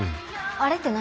あれって何？